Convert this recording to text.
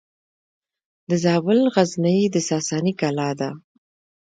د زابل غزنیې د ساساني کلا ده